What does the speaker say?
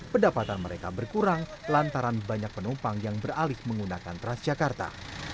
pendapatan mereka berkurang lantaran banyak penumpang yang beralih menggunakan transjakarta